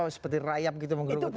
seperti rayap gitu menggerogoti